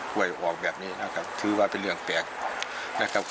กวัดออกแบบนี้ถือว่าเป็นเรื่องแปลก